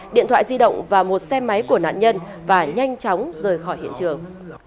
điện thoại di động và một xe máy của nạn nhân và nhanh chóng rời khỏi hiện trường